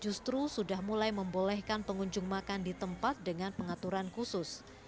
justru sudah mulai membolehkan pengunjung makan di tempat dengan pengaturan khusus